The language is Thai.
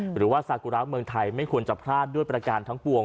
หรือว่าซากุระเมืองไทยไม่ควรจะพลาดด้วยประการทั้งปวง